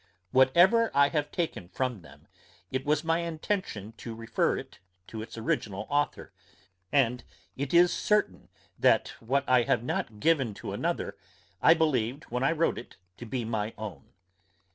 Whatever I have taken from them it was my intention to refer to its original authour, and it is certain, that what I have not given to another, I believed when I wrote it to be my own.